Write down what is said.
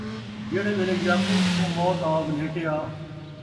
جِہڑے ویلے یعقوب کُوں موت آ ولھیٹیا،